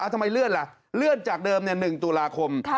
ทำไมเลื่อนล่ะเลื่อนจากเดิม๑ตุลาคม